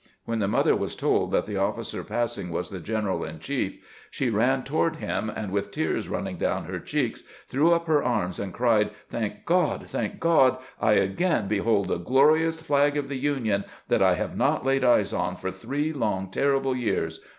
When the mother was told that the officer passing was the general in chief, she ran toward him, and with the tears running down her cheeks, threw up her arms and cried, " Thank Grod ! thank God ! I again behold the glorious flag of the Union, that I have not laid eyes on for three long, terrible years.